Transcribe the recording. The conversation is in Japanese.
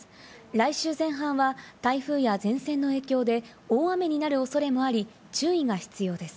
来週前半は台風や前線の影響で大雨になる恐れもあり、注意が必要です。